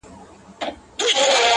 چي د ژوند د رنګینیو سر اغاز دی,